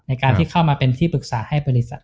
ในการที่เข้ามาเป็นที่ปรึกษาให้บริษัท